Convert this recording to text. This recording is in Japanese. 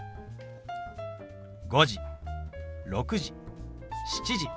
「５時」「６時」「７時」。